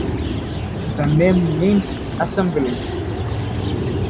The name means "assemblies".